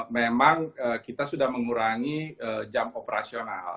memang kita sudah mengurangi jam operasional